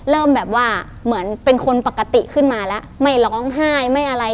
เริ่มแบบว่าเหมือนเป็นคนปกติขึ้นมาแล้วไม่ร้องไห้ไม่อะไร